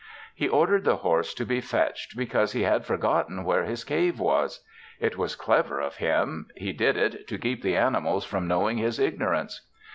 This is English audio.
He ordered the horse to be fetched because he had forgotten where his cave was. It was clever of him. He did it to keep the animals from knowing his ignorance.